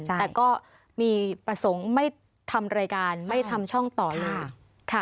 แต่ก็มีประสงค์ไม่ทำรายการไม่ทำช่องต่อเลย